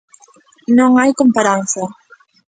Non hai comparanza.